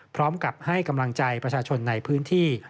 พร้อมกับให้กำลังใจประชาชนในพื้นที่